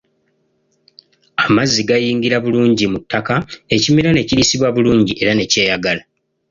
Amazzi gayingira bulungi mu ttak ekimera ne kiriisibwa bulungi era ne kyeyagala.